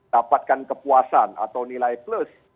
dapatkan kepuasan atau nilai plus